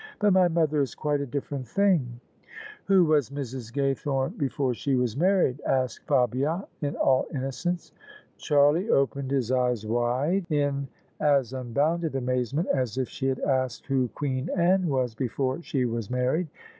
But my mother is quite a different thing! " "Who was Mrs. Gaythome before she was married?" asked Fabia in all innocence. Charlie opened his eyes wide, in as unbounded amazement as if she had asked who Queen Anne was before she was married.